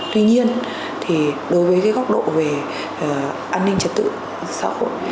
tuy nhiên đối với góc độ về an ninh trật tự xã hội